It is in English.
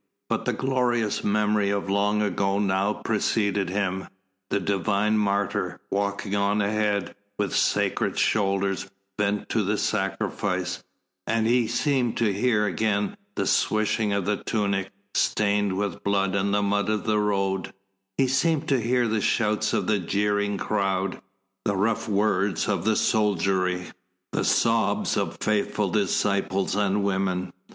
But the glorious memory of long ago now preceded him, the Divine Martyr walking on ahead with sacred shoulders bent to the sacrifice, and he seemed to hear again the swishing of the tunic, stained with blood and the mud of the road; he seemed to hear the shouts of the jeering crowd, the rough words of the soldiery, the sobs of faithful disciples and women.